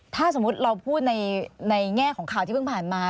ถ้าสมมุติเราพูดในแง่ของข่าวที่เพิ่งผ่านมา